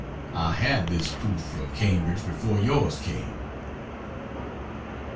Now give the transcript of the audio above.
(I had this proof from Cambridge before yours came.)